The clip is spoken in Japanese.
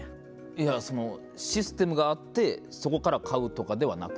いやその、システムがあってそこから買うとかではなく。